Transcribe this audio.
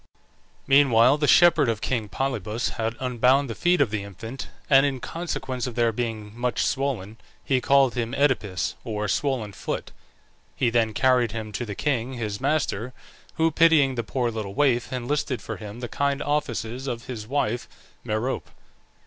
Meanwhile the shepherd of king Polybus had unbound the feet of the infant, and in consequence of their being much swollen he called him Oedipus, or Swollen foot. He then carried him to the king, his master, who, pitying the poor little waif, enlisted for him the kind offices of his wife, Merope.